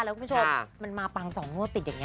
แล้วคุณผู้ชมมันมาปัง๒งวดติดอย่างนี้